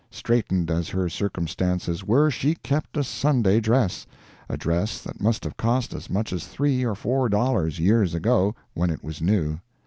Straightened as her circumstances were, she kept a Sunday dress—a dress that must have cost as much as three or four dollars, years ago, when it was new.